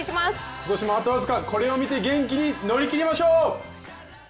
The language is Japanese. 今年もあと僅かこれを見て元気に乗り切りましょう。